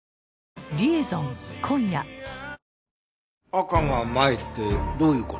赤が前ってどういう事？